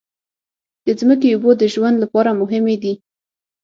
د ځمکې اوبو د ژوند لپاره مهمې دي.